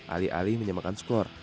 ali ali menyemakan skor